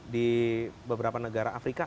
di beberapa negara afrika